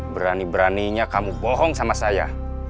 berani beraninya kamu bohong sama saya